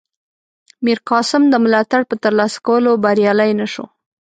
میرقاسم د ملاتړ په ترلاسه کولو بریالی نه شو.